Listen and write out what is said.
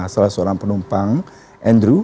salah seorang penumpang andrew